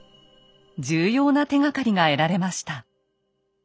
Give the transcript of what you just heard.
重要な手がかりが得られました。